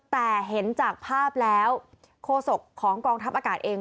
แต่เห็นจากภาพแล้วโคศกของกองทัพอากาศเอง